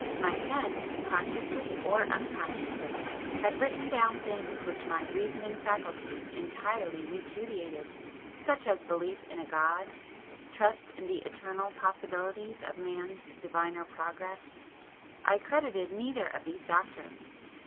My pen, consciously or unconsciously, had written down things which my reasoning faculties entirely repudiated,—such as belief in a God,—trust in the eternal possibilities of man's diviner progress,—I credited neither of these doctrines.